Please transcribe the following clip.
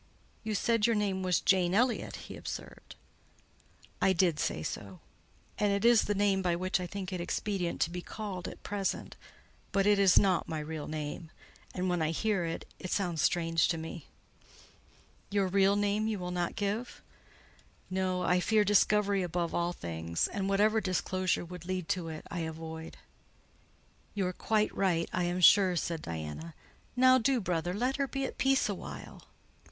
"You said your name was Jane Elliott?" he observed. "I did say so; and it is the name by which I think it expedient to be called at present, but it is not my real name, and when I hear it, it sounds strange to me." "Your real name you will not give?" "No: I fear discovery above all things; and whatever disclosure would lead to it, I avoid." "You are quite right, I am sure," said Diana. "Now do, brother, let her be at peace a while."